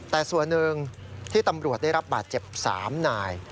แต่ส่วนหนึ่งที่ตำรวจได้รับบาดเจ็บ๓นาย